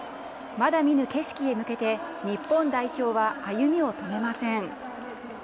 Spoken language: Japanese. まだ見ぬ景色へ向けて、日本代表は歩みを止めません。